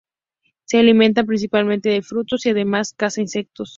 Se alimenta principalmente de frutos y además caza insectos.